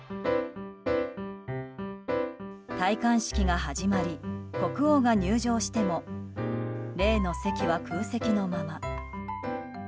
戴冠式が始まり国王が入場しても例の席は空席のまま。